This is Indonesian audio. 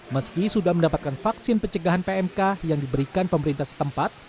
meski sudah mendapatkan vaksin pencegahan pmk yang diberikan pemerintah setempat